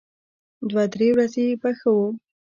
دوه درې ورځې به ښه و.